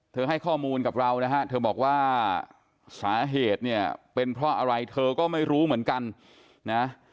ให้ข้อมูลกับเรานะฮะเธอบอกว่าสาเหตุเนี่ยเป็นเพราะอะไรเธอก็ไม่รู้เหมือนกันนะ